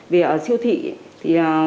vì ở siêu thị thì